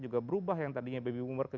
juga berubah yang tadinya baby boomer ke